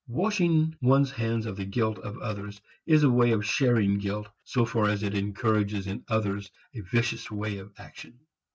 Washing one's hands of the guilt of others is a way of sharing guilt so far as it encourages in others a vicious way of action.